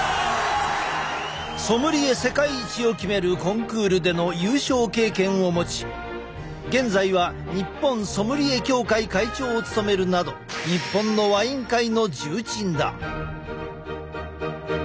ソムリエ世界一を決めるコンクールでの優勝経験を持ち現在は日本ソムリエ協会会長を務めるなど日本のワイン界の重鎮だ。